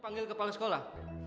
panggil kepala sekolah